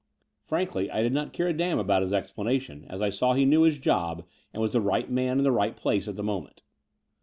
Frankly I did not care a damn about his ex planation, as I saw he knew his job and was the right man in the right place at the moment.